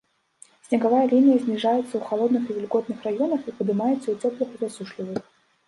Снегавая лінія зніжаецца ў халодных і вільготных раёнах і падымаецца ў цёплых і засушлівых.